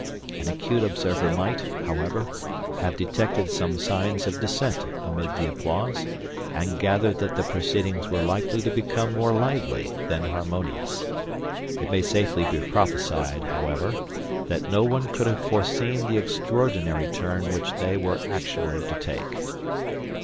An acute observer might, however, have detected some signs of dissent amid the applause, and gathered that the proceedings were likely to become more lively than harmonious. It may safely be prophesied, however, that no one could have foreseen the extraordinary turn which they were actually to take.